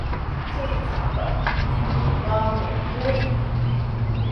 Puntrawpami qamwan purii.